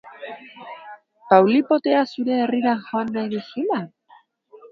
Paulipotea zure herrira joatea nahi duzula?